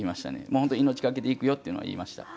本当に命懸けでいくよっていうのは言いました。